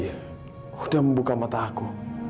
sudah membuka mata aku